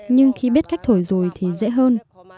nhưng khi biết cách thổi rồi thì dễ hơn